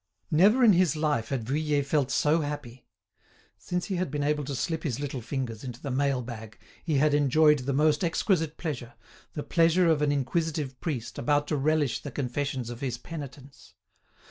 Never in his life had Vuillet felt so happy. Since he had been able to slip his little fingers into the mail bag he had enjoyed the most exquisite pleasure, the pleasure of an inquisitive priest about to relish the confessions of his penitents.